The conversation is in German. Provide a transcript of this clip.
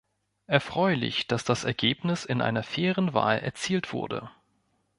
Erfreulich, dass das Ergebnis in einer fairen Wahl erzielt wurde.